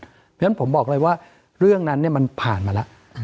เพราะฉะนั้นผมบอกเลยว่าเรื่องนั้นมันผ่านมาแล้ว